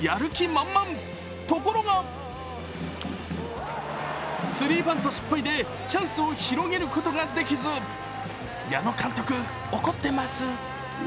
満々ところがスリーバント失敗で、チャンスを広げることができず矢野監督、怒ってます。